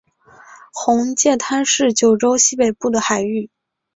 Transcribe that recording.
玄界滩是九州西北部的海域。